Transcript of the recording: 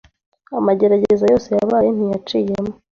amagerageza yose yabaye ntiyaciyemo